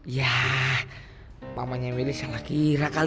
yah mamanya meli salah kira kali